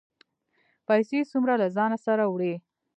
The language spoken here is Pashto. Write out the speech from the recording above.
پیسې څومره له ځانه سره وړئ؟